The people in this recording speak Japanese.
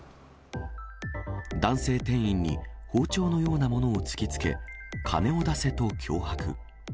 男性店員に包丁のようなものを突きつけ、金を出せと脅迫。